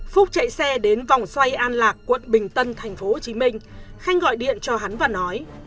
phúc chạy xe đến vòng xoay an lạc quận bình tân thành phố hồ chí minh khanh gọi điện cho hắn và nói